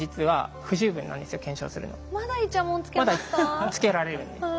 まだつけられるんです。